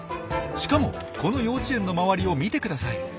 しかもこの幼稚園の周りを見てください。